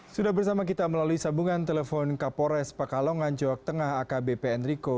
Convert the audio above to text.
sudah bersama kita melalui sambungan telepon kapolres pakalongan jog tengah akbp enrico